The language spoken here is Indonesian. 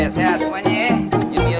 sehat semuanya ya